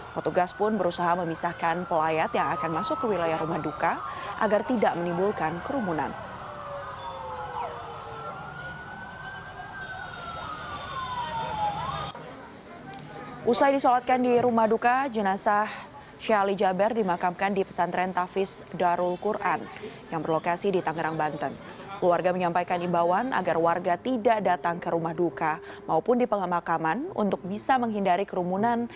motogas pun berusaha memisahkan pelayat yang akan masuk ke wilayah rumah duka agar tidak menimbulkan kerumunan